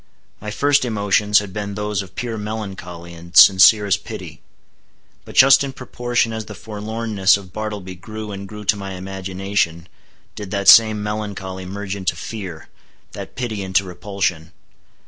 My first emotions had been those of pure melancholy and sincerest pity; but just in proportion as the forlornness of Bartleby grew and grew to my imagination, did that same melancholy merge into fear, that pity into repulsion.